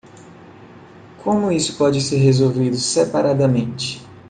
Como isso pode ser resolvido separadamente?